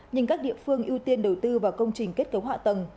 nhưng các địa phương ưu tiên đầu tư vào công trình kết cấu hạ tầng